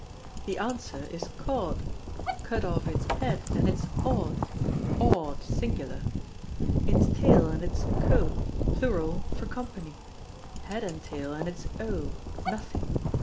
The answer is cod. Cut off its head and it is od (odd, singular); its tail, and it is Co., plural, for company; head and tail, and it is o, nothing.